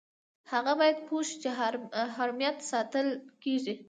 هغه باید پوه شي چې حرمت یې ساتل کیږي.